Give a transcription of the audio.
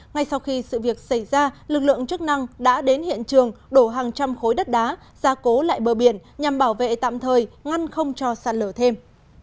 ngay sau khi sự việc xảy ra lực lượng chức năng đã đến hiện trường đổ hàng trăm khối đất đá ra cố lại bờ biển nhằm bảo vệ tạm thời ngăn không cho sạt lở thêm